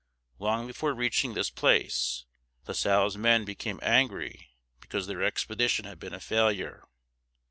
Long before reaching this place, La Salle's men became angry because their expedition had been a failure.